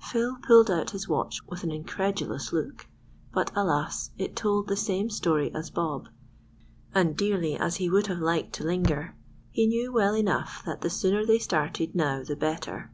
Phil pulled out his watch with an incredulous look; but, alas! it told the same story as Bob, and dearly as he would have liked to linger, he knew well enough that the sooner they started now the better.